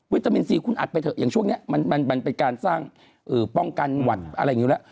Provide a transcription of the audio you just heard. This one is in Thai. ตามินซีคุณอัดไปเถอะอย่างช่วงนี้มันเป็นการสร้างป้องกันหวัดอะไรอย่างนี้อยู่แล้ว